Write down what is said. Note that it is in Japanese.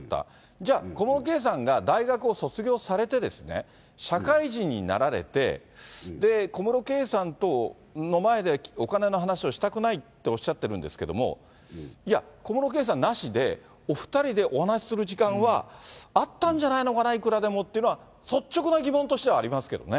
じゃあ、小室圭さんが大学を卒業されて、社会人になられて、小室圭さんの前ではお金の話をしたくないっておっしゃってるんですけれども、いや、小室圭さんなしで、お２人でお話しする時間はあったんじゃないのかな、いくらでもっていうのは、率直な疑問としてはありますけどね。